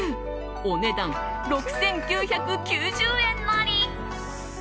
お値段、６９９０円なり。